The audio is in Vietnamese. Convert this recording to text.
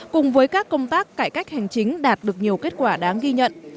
cùng với các công tác cải cách hành chính đạt được nhiều kết quả đáng ghi nhận